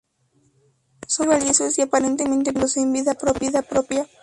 Son bastante valiosos y aparentemente poseen vida propia.